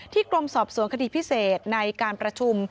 กรมสอบสวนคดีพิเศษในการประชุม